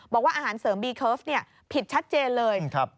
บอกว่าอาหารเสริมบีเคิร์ฟผิดชัดเจนเลย